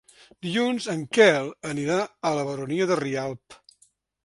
Dilluns en Quel anirà a la Baronia de Rialb.